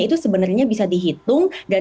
itu sebenarnya bisa dihitung dan